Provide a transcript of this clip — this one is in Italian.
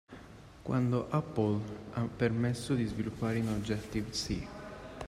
Quando Apple ha permesso di sviluppare in Objective-C